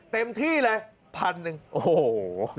เต็มที่เลยพันหนึ่งโอ้โห